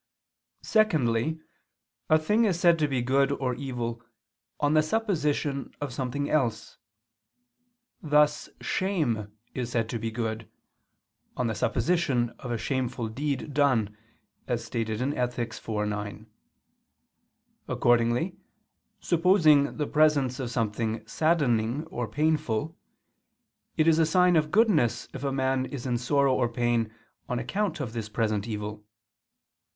Secondly, a thing is said to be good or evil, on the supposition of something else: thus shame is said to be good, on the supposition of a shameful deed done, as stated in Ethic. iv, 9. Accordingly, supposing the presence of something saddening or painful, it is a sign of goodness if a man is in sorrow or pain on account of this present evil.